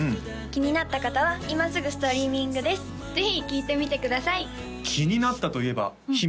気になった方は今すぐストリーミングですぜひ聴いてみてください気になったといえば姫